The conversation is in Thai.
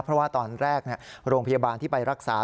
เพราะว่าตอนแรกโรงพยาบาลที่ไปรักษา